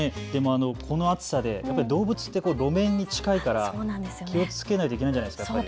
この暑さで動物って路面に近いから気をつけないといけないんじゃないですかね。